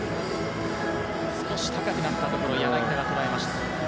少し高くなったところを柳田が捉えました。